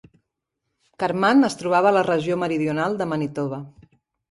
Carman es trobava a la regió meridional de Manitoba.